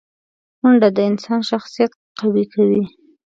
منډه د انسان شخصیت قوي کوي